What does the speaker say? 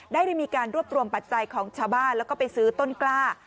ได้มีการรวบรวมปัจจัยของชาวบ้านแล้วก็ไปซื้อต้นกล้า